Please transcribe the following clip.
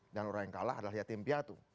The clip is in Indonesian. dan orang yang kalah adalah yatim piatu